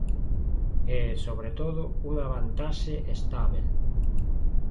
E, sobre todo, unha vantaxe estábel.